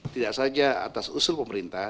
tidak saja atas usul pemerintah